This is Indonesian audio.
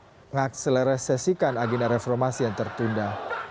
mengakselerasikan agenda reformasi yang tertunda